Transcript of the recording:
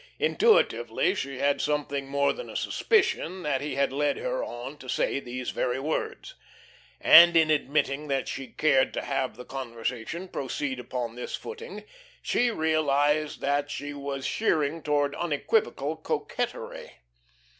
Intuitively she had something more than a suspicion that he had led her on to say these very words. And in admitting that she cared to have the conversation proceed upon this footing, she realised that she was sheering towards unequivocal coquetry.